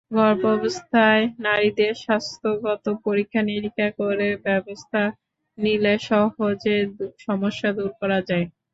গর্ভাবস্থায় নারীদের স্বাস্থ্যগত পরীক্ষা–নিরীক্ষা করে ব্যবস্থা নিলে সহজে সমস্যা দূর করা যায়।